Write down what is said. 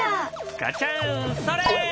ガチャンそれ！